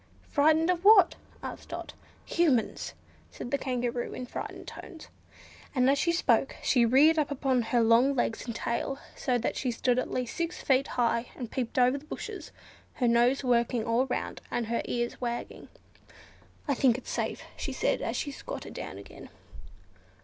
"Frightened of what?" asked Dot. "Humans!" said the Kangaroo, in frightened tones; and as she spoke she reared up upon her long legs and tail, so that she stood at least six feet high, and peeped over the bushes; her nose working all round, and her ears wagging. "I think it's safe," she said, as she squatted down again.